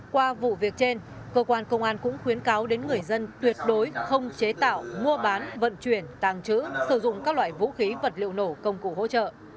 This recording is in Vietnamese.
qua vụ việc trên cơ quan công an cũng khuyến cáo đến người dân tuyệt đối không chế tạo mua bán vận chuyển tàng trữ sử dụng các loại vũ khí vật liệu nổ công cụ hỗ trợ